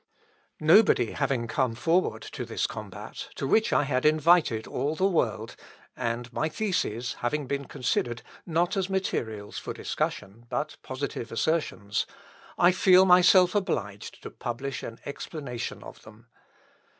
"Nobody having come forward to this combat, to which I had invited all the world, and my theses having been considered not as materials for discussion, but positive assertions, I feel myself obliged to publish an explanation of them.